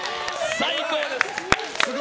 最高です！